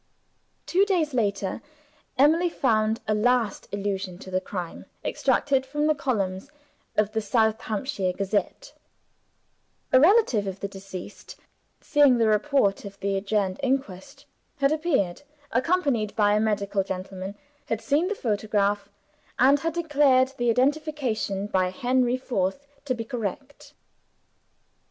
........ Two days later, Emily found a last allusion to the crime extracted from the columns of the South Hampshire Gazette. A relative of the deceased, seeing the report of the adjourned inquest, had appeared (accompanied by a medical gentleman); had seen the photograph; and had declared the identification by Henry Forth to be correct.